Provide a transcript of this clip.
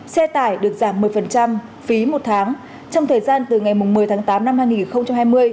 xe tải được giảm một mươi phí một tháng trong thời gian từ ngày một mươi tháng tám năm hai nghìn hai mươi